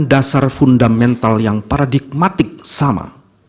dasar fundamental yang paradigmatik sama